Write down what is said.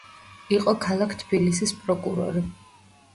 იყო ქალაქ თბილისის პროკურორი.